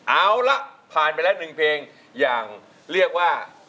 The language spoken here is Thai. เอาละผ่านไปแล้ว๑เพลงอย่างเรียกว่า